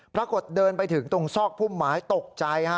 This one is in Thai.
ปรากฏเดินไปถึงตรงซอกพุ่มไม้ตกใจฮะ